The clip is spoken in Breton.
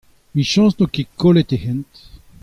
Emichañs n'en do ket kollet e hent !